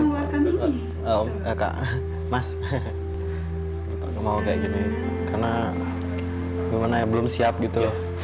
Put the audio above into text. mas gue mau kayak gini karena gimana ya belum siap gitu loh